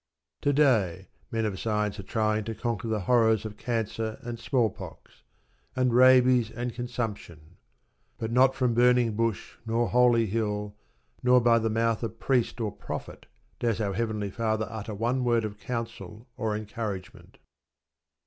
To day men of science are trying to conquer the horrors of cancer and smallpox, and rabies and consumption. But not from Burning Bush nor Holy Hill, nor by the mouth of priest or prophet does our Heavenly Father utter a word of counsel or encouragement.